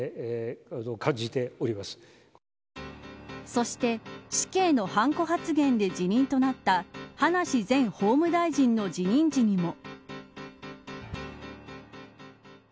そして死刑のハンコ発言で辞任となった葉梨前法務大臣の辞任時にも。